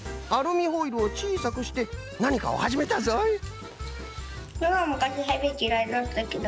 アルミホイルをちいさくしてなにかをはじめたぞい。